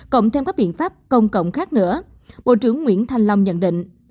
cộng thêm các biện pháp công cộng khác nữa bộ trưởng nguyễn thanh long nhận định